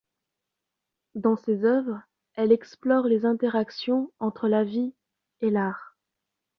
Dans ses œuvres, elle explore les interactions entre la vie et l'art.